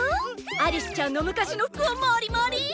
アリスちゃんの昔の服を盛り盛り！